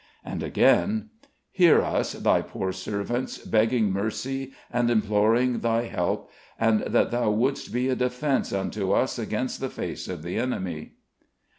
And again: "Hear us, Thy poor servants, begging mercy, and imploring Thy help; and that Thou wouldest be a defence unto us against the face of the enemy."